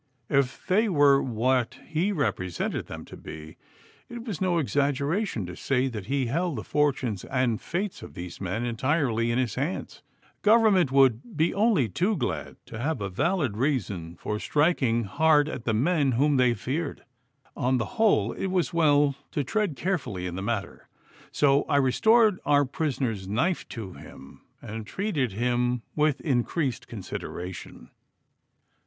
If they were what he represented them to be, it was no exaggeration to say that he held the fortunes and fates of these men entirely in his hands. Government would be only too glad to have a valid reason for striking hard at the men whom they feared. On the whole it was well to tread carefully in the matter, so I restored our prisoner's knife to him, and treated him with increased consideration.